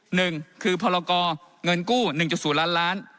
หนึ่งคือพรกรเงินกู้๑๐ล้านล้าน